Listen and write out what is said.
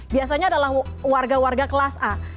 biasanya adalah warga warga kelas a